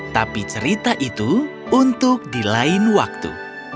tapi cerita itu untuk di lain waktu